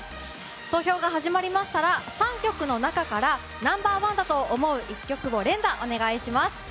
投票が始まったら、３曲の中からナンバー１だと思う１曲を連打、お願いします。